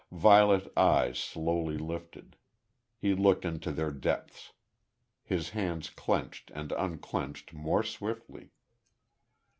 Violet eyes slowly lifted.... He looked into their depths.... His hands clenched, and unclenched more swiftly.